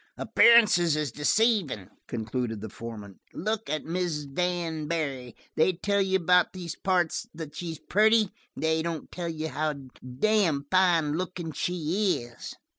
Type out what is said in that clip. "Appearances is deceivin'" concluded the foreman. "Look at Mrs. Dan Barry. They tell you around these parts that she's pretty, but they don't tell you how damned fine lookin' she is.